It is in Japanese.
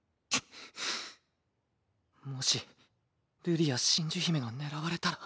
もし瑠璃や真珠姫が狙われたら。